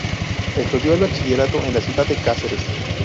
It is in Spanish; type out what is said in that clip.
Estudió el bachillerato en la ciudad de Cáceres.